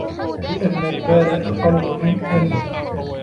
لِأَنَّ الْمَالَ أَقَلُّ مِنْ أَنْ